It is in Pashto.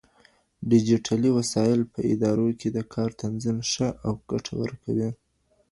ډيجيټلي وسايل په ادارو کې د کار تنظيم ښه او ګټور کوي.